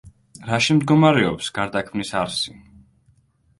რაში მდგომარეობს გარდაქმნის არსი?